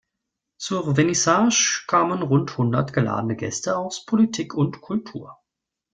Zur Vernissage kamen rund hundert geladene Gäste aus Politik und Kultur.